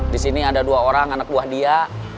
di sini ada dua orang anak buah dia